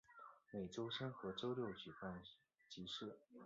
每周三和周六举办集市。